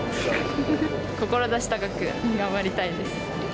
志高く頑張りたいです。